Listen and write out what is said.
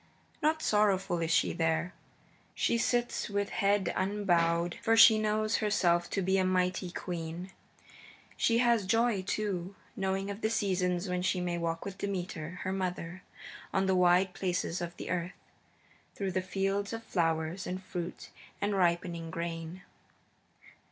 Not sorrowful is she there; she sits with head unbowed, for she knows herself to be a mighty queen. She has joy, too, knowing of the seasons when she may walk with Demeter, her mother, on the wide places of the earth, through fields of flowers and fruit and ripening grain.